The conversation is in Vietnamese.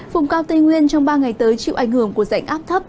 vùng cao tây nguyên trong ba ngày tới chịu ảnh hưởng của rãnh áp thấp